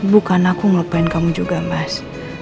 bukan aku ngelupain kamu juga mas